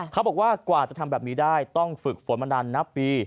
เขาบอกว่ากว่าจะทำแบบนี้ได้ต้องฝึกฝนมานานนับปี